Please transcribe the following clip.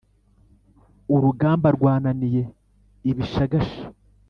urugamba rwananiye ibishagasha